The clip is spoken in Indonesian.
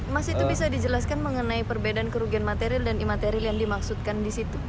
mas itu bisa dijelaskan mengenai perbedaan kerugian material dan immaterial yang dimaksudkan disitu